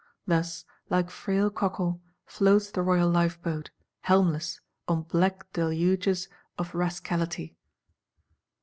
Thus, like frail cockle, floats the Royal Life boat, helmless, on black deluges of Rascality.